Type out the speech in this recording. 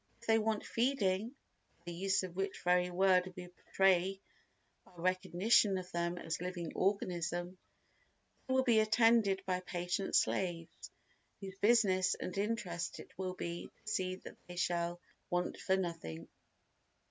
If they want "feeding" (by the use of which very word we betray our recognition of them as living organism) they will be attended by patient slaves whose business and interest it will be to see that they shall want for nothing.